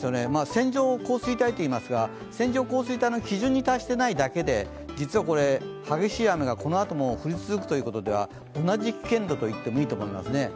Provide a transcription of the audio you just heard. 線状降水帯といいますが線状降水帯の基準に達していないだけで実はこれ激しい雨がこのあとも降り続くという点では同じ危険度といってもいいと思いますね。